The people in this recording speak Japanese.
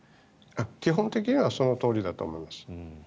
基本的にはそのとおりだと思います。